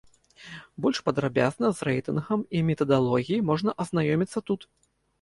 Больш падрабязна з рэйтынгам і метадалогіяй можна азнаёміцца тут.